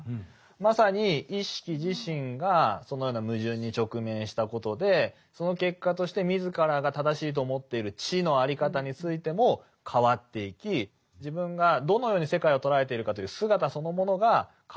まさに意識自身がそのような矛盾に直面したことでその結果として自らが正しいと思っている知の在り方についても変わっていき自分がどのように世界を捉えているかという姿そのものが変わってくる。